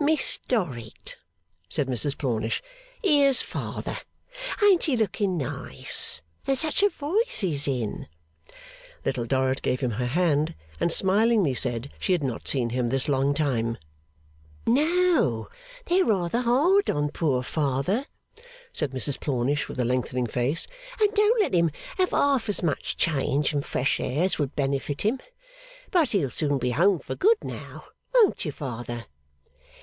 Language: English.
'Miss Dorrit,' said Mrs Plornish, 'here's Father! Ain't he looking nice? And such voice he's in!' Little Dorrit gave him her hand, and smilingly said she had not seen him this long time. 'No, they're rather hard on poor Father,' said Mrs Plornish with a lengthening face, 'and don't let him have half as much change and fresh air as would benefit him. But he'll soon be home for good, now. Won't you, Father?